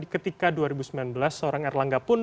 ketika dua ribu sembilan belas seorang erlangga pun